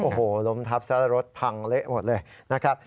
โอ้โหล้มทับซะแล้วรถพังเละหมดเลยนะครับ